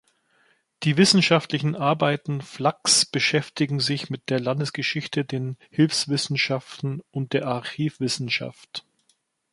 Die wissenschaftlichen Arbeiten Flachs beschäftigten sich mit der Landesgeschichte, den Hilfswissenschaften und der Archivwissenschaft.